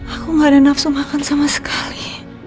aku gak ada nafsu makan sama sekali